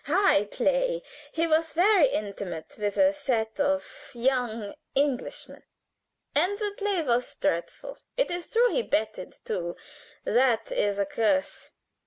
High play. He was very intimate with a set of young Englishmen, and the play was dreadful, it is true; he betted too. That is a curse.